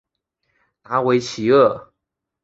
达韦齐厄。